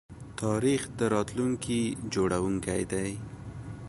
تاریخ د راتلونکي جوړونکی دی.